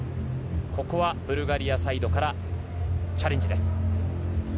ここはブルガリアサイドからチャレンジです。